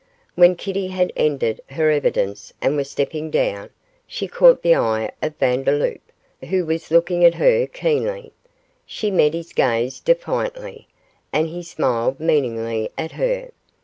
When Kitty had ended her evidence and was stepping down, she caught the eye of Vandeloup, who was looking at her keenly. She met his gaze defiantly, and he smiled meaningly at her.